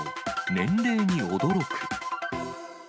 年齢に驚く。